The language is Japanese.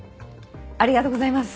ありがとうございます。